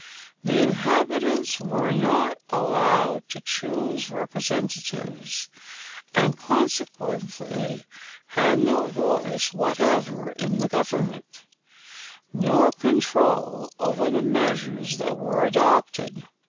The inhabitants were not allowed to choose representatives, and consequently had no voice whatever in the government, nor control over the measures that were adopted.